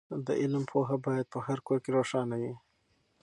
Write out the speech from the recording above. د علم ډېوه باید په هر کور کې روښانه وي.